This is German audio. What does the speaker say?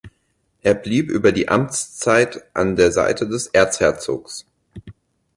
Er blieb über die Amtszeit an der Seite des Erzherzogs.